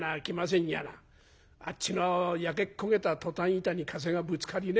あっちの焼けっ焦げたトタン板に風がぶつかりね